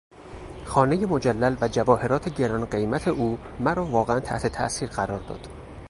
خانهی مجلل و جواهرات گران قیمت او مرا واقعا تحت تاثیر قرار داد.